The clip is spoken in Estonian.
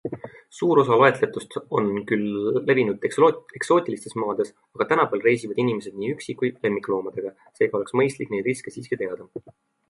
Suur osa loetletutest on küll levinud eksootilistes maades, aga tänapäeval reisivad inimesed nii üksi kui lemmikloomadega, seega oleks mõistlik neid riske siiski teada.